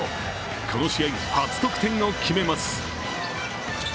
この試合、初得点を決めます。